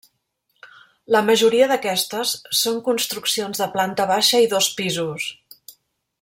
La majoria d'aquestes són construccions de planta baixa i dos pisos.